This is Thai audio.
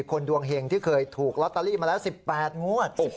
ดวงเห็งที่เคยถูกลอตเตอรี่มาแล้ว๑๘งวด